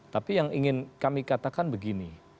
tapi yang ingin kami katakan begini